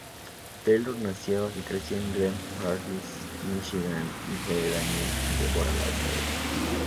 Taylor nació y creció en Grand Rapids, Míchigan, hijo de Daniel y Deborah Lautner.